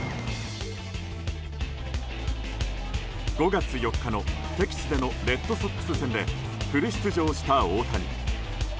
５月４日の敵地でのレッドソックス戦でフル出場した大谷。